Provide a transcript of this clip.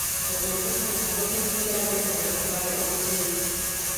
O tomto jsme hovořili včera během rozpravy o Gruzii.